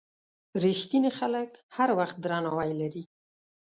رښتیني خلک هر وخت درناوی لري.